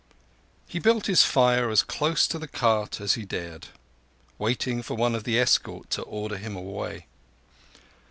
He built his fire as close to the cart as he dared, waiting for one of the escort to order him away.